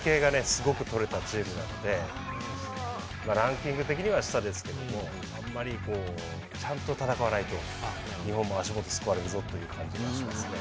すごく取れたチームなのでランキング的には下ですけどもあんまりこうちゃんと戦わないと日本も足元すくわれるぞという感じがしますね。